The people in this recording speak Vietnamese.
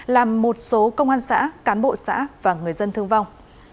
làm một số công an xã cán bộ xã và người dân thương vong